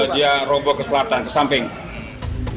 dia roboh ke selatan ke samping